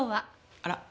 あら？